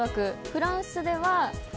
フランスでは。